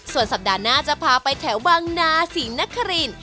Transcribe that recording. ส่วนสัปดาห์หน้าจะพาไปแถวบางนาศรีนคริน